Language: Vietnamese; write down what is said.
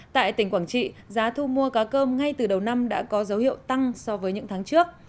tại tỉnh quảng trị giá thu mua cá cơm ngay từ đầu năm đã có dấu hiệu tăng so với những tháng trước